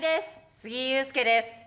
杉井勇介です。